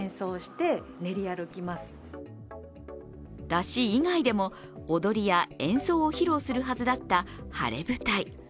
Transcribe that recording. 山車以外でも、踊りや演奏を披露するはずだった晴れ舞台。